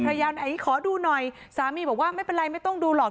ยาไหนขอดูหน่อยสามีบอกว่าไม่เป็นไรไม่ต้องดูหรอก